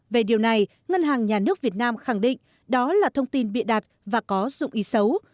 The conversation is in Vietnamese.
về điều này ngân hàng nhà nước việt nam khẳng định đó là thông tin bịa đặt và có dụng ý xấu